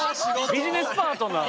・ビジネスパートナー。